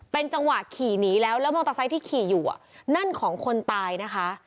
เป็นจังหวะขี่หนีแล้วแล้วมอเตอร์ไซค์ที่ขี่อยู่นั่นของคนตายนะคะ